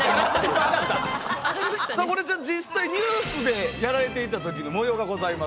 さあこれ実際ニュースでやられていた時の模様がございます。